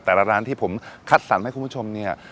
ร้านที่ผมคัดสรรให้คุณผู้ชมเนี่ย